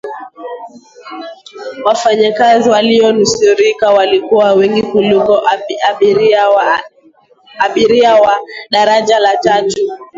wafanyakazi waliyonusurika walikuwa wengi kuliko abiri wa daraja la tatu